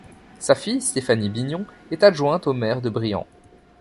Sa fille Stéphanie Bignon est adjointe au maire de Briant.